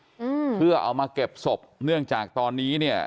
อืมเพื่อเอามาเก็บศพเนื่องจากตอนนี้เนี้ย